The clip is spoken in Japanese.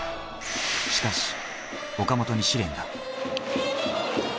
しかし、岡本に試練が。